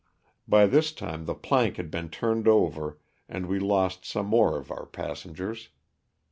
By this time the plank had been turned over and we lost some more of our passengers.